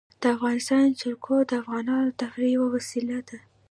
د افغانستان جلکو د افغانانو د تفریح یوه وسیله ده.